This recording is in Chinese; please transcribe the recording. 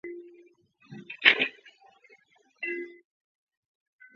我不禁转过头